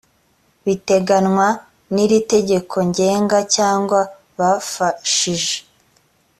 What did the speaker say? biteganywa n iri tegeko ngenga cyangwa bafashije